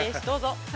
どうぞ。